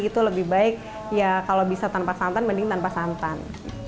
itu lebih baik ya kalau bisa tanpa santan mending tanpa santan